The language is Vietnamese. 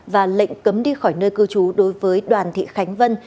và lệnh cấm đi khỏi nơi cư trú đối với đoàn thị khánh vân